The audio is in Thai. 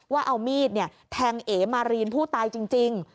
ว่าเอามีดเนี่ยแทงเอกมารีนผู้ตายจริงจริง